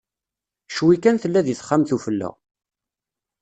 Ccwi kan tella deg texxamt ufella.